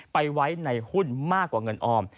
ไปไว้ในหุ้นมากกว่าเงินออม